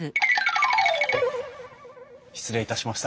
失礼いたしました。